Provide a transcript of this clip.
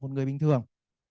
một người bình thường